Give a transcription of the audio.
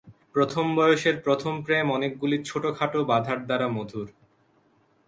প্রথম বয়সের প্রথম প্রেম অনেকগুলি ছোটোখাটো বাধার দ্বারা মধুর।